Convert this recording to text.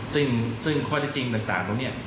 ซึ่งซึ่งข้อในจริงต่างเนี่ย